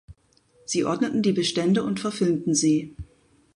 Sie ordneten die Bestände und verfilmten sie.